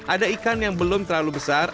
ada ikan yang belum terlalu besar